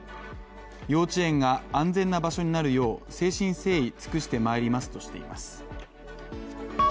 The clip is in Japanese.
幼稚園が安全な場所になるよう誠心誠意尽くして参りますとしています。